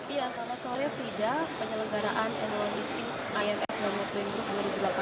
iya selamat sore frida penyelenggaraan annual meeting imf world bank group dua ribu delapan belas